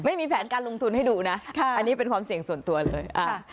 ไม่มีแผนการลงทุนให้ดูนะอันนี้เป็นความเสี่ยงส่วนตัวเลย